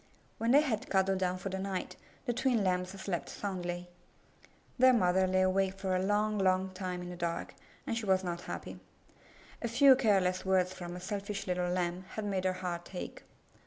When they had cuddled down for the night, the twin Lambs slept soundly. Their mother lay awake 260 IN THE NURSERY for a long, long time in the dark, and she was not happy. A few careless words from a selfish little Lamb had made her heart ache.